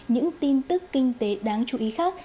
những tin tức kinh tế đáng chú ý khác